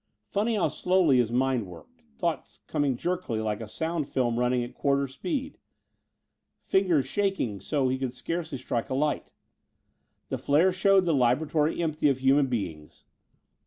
Funny how slowly his mind worked ... thoughts coming jerkily like a sound film running at quarter speed ... fingers shaking so he could scarcely strike a light. The flare showed the laboratory empty of human beings